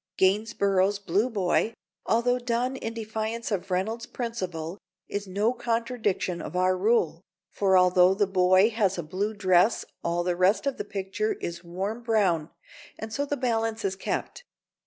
Gainsborough's "Blue Boy," although done in defiance of Reynolds' principle, is no contradiction of our rule, for although the boy has a blue dress all the rest of the picture is warm brown and so the balance is kept.